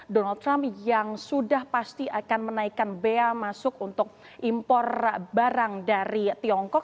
donald trump yang sudah pasti akan menaikkan bea masuk untuk impor barang dari tiongkok